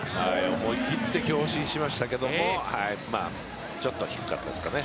思い切って強振しましたけどまあ、ちょっと低かったですね。